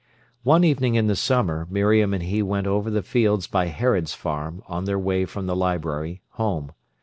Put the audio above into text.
One evening in the summer Miriam and he went over the fields by Herod's Farm on their way from the library home.